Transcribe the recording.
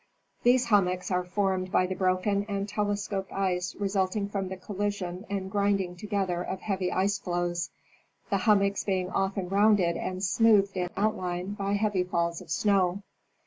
'These hummocks are formed by the broken — and telescoped ice resulting from the collision and grinding to — gether of heavy ice floes, the hummocks being often rounded and smoothed in outline by heavy falls of snow.